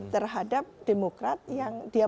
terhadap demokrat yang dia